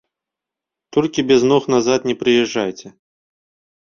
Толькі без ног назад не прыязджайце.